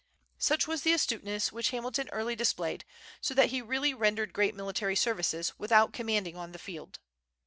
Such was the astuteness which Hamilton early displayed, so that he really rendered great military services, without commanding on the field.